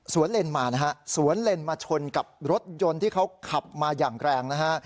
เลนมานะฮะสวนเลนมาชนกับรถยนต์ที่เขาขับมาอย่างแรงนะฮะ